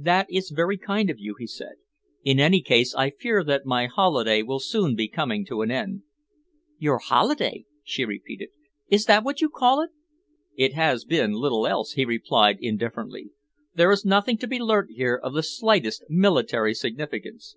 "That is very kind of you," he said. "In any case, I fear that my holiday will soon be coming to an end." "Your holiday?" she repeated. "Is that what you call it?" "It has been little else," he replied indifferently. "There is nothing to be learnt here of the slightest military significance."